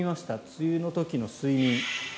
梅雨の時の睡眠。